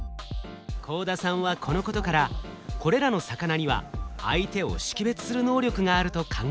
幸田さんはこのことからこれらの魚には相手を識別する能力があると考えました。